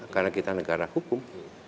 karena kita negara hukum